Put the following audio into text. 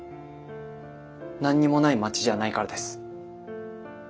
何にもない町じゃないからです。